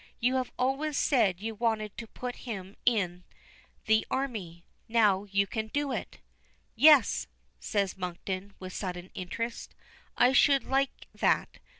"You have always said you wanted to put him in the army. Now you can do it." "Yes," says Monkton, with sudden interest. "I should like that.